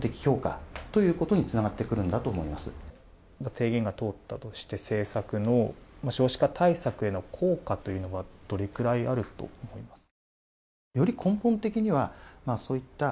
提言が通ったとして政策の少子化対策への効果というのはどれくらいあると思いますか。